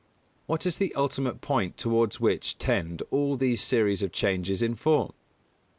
_What is the ultimate point towards which tend all these series of changes in form?